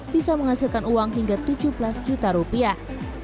bisa menghasilkan uang hingga tujuh belas juta rupiah